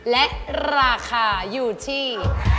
และราคาอยู่ที่